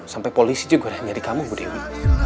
sampai polisi juga udah cari kamu bu dewi